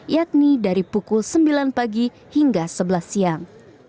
yakni dari pukul sembilan pagi hingga sebelas siang